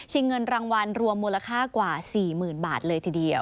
เงินรางวัลรวมมูลค่ากว่า๔๐๐๐บาทเลยทีเดียว